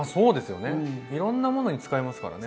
いろんなものに使えますからね。